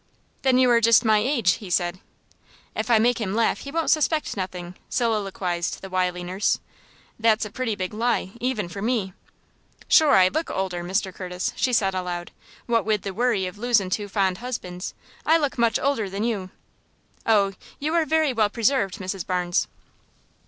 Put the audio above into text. "Then you are just my age," he said. "If I make him laugh he won't suspect nothing," soliloquized the wily nurse. "That's a pretty big lie, even for me." "Shure I look older, Mr. Curtis," she said, aloud. "What wid the worry of losin' two fond husbands, I look much older than you." "Oh, your are very well preserved, Mrs. Barnes."